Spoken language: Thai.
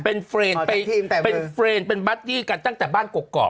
เป็นเฟรนไปเป็นเฟรนด์เป็นบัดดี้กันตั้งแต่บ้านกรอก